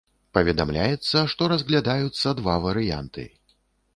Паведамляецца, што разглядаюцца два варыянты.